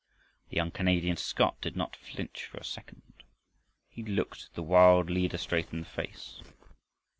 The young Canadian Scot did not flinch for a second. He looked the wild leader straight in the face.